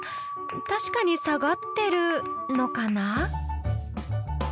確かに下がってるのかな？